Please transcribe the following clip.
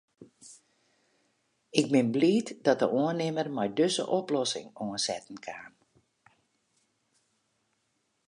Ik bin bliid dat de oannimmer mei dizze oplossing oansetten kaam.